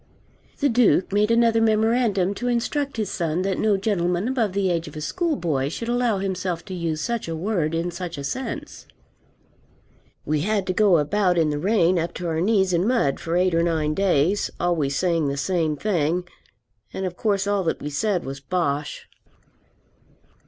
The Duke made another memorandum to instruct his son that no gentleman above the age of a schoolboy should allow himself to use such a word in such a sense. We had to go about in the rain up to our knees in mud for eight or nine days, always saying the same thing. And of course all that we said was bosh.